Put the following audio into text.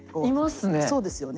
そうですよね。